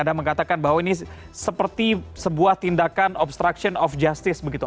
anda mengatakan bahwa ini seperti sebuah tindakan obstruction of justice begitu